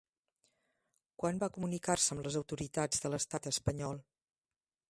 Quan va comunicar-se amb les autoritats de l'estat espanyol?